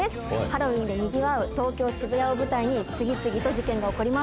ハロウィンでにぎわう東京・渋谷を舞台に次々と事件が起こります。